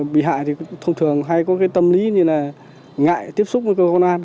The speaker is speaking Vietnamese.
bị hại thì thông thường hay có tâm lý như ngại tiếp xúc với cơ quan công an